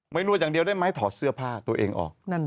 นวดอย่างเดียวได้ไหมถอดเสื้อผ้าตัวเองออก